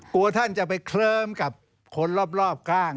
ท่านจะไปเคลิ้มกับคนรอบข้าง